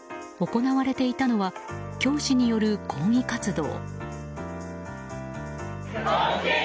行われていたのは教師による抗議活動。